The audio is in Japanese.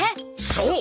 そう！